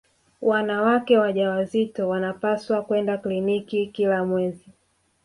wanawake wajawazito wanapaswa kwenda kliniki kila mwezi